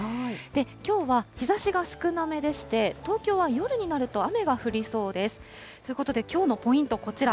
きょうは日ざしが少なめでして、東京は夜になると雨が降りそうです。ということできょうのポイント、こちら。